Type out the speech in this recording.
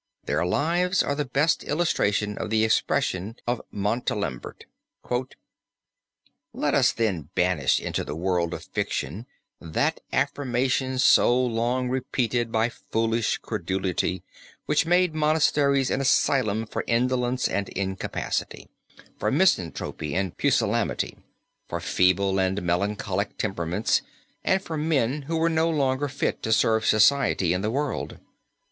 Their lives are the best illustration of the expression of Montalembert: "Let us then banish into the world of fiction that affirmation so long repeated by foolish credulity which made monasteries an asylum for indolence and incapacity, for misanthropy and pusillanimity, for feeble and melancholic temperaments, and for men who were no longer fit to serve society in the world.